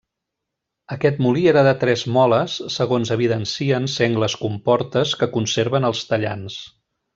Aquest molí era de tres moles segons evidencien sengles comportes que conserven els tallants.